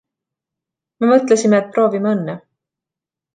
Me mõtlesime, et proovime õnne.